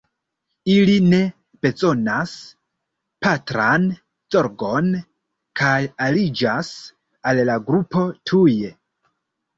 Ili ne bezonas patran zorgon kaj aliĝas al la grupo tuje.